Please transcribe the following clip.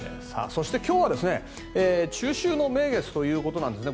そして、今日は中秋の名月ということですね。